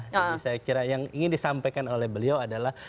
jadi saya kira yang ingin disampaikan oleh beliau adalah